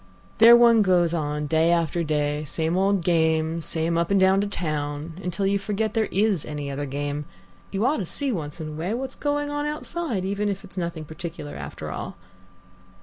There one goes on day after day, same old game, same up and down to town, until you forget there is any other game. You ought to see once in a way what's going on outside, if it's only nothing particular after all."